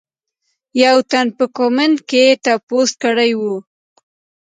يو تن پۀ کمنټ کښې تپوس کړے وۀ